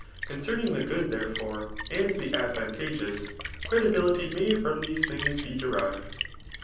Concerning the good, therefore, and the ad T«B(s(g6o«6, credibility may from these things be denved.